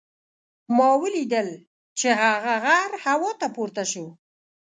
ما ولیدل چې هغه غر هوا ته پورته شو.